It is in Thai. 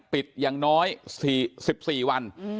ปิดอย่างน้อย๑๔วัน